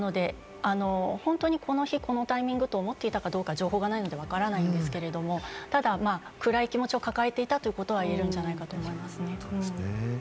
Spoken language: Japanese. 本当にこの日、このタイミングと思っていたか、情報がないのでわからないんですが、暗い気持ちを抱えていたということは言えるんじゃないかと思いますね。